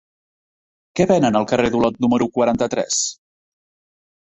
Què venen al carrer d'Olot número quaranta-tres?